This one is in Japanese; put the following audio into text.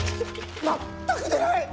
全く出ない。